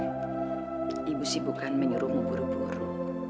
ya ibu sibukkan menyuruhmu buru buru